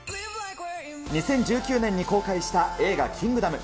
２０１９年に公開した映画、キングダム。